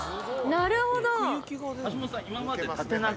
なるほど！